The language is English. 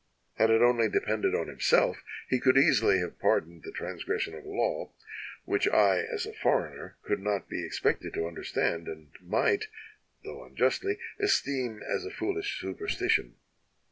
Had it only depended on himself he could easily have pardoned the transgression of a law, which I, as a foreigner, could not be expected to understand, and might (though unjustly) esteem as a foolish superstition.